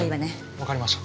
わかりました。